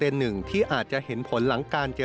การพบกันในวันนี้ปิดท้ายด้วยการรับประทานอาหารค่ำร่วมกัน